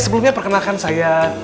sebelumnya perkenalkan saya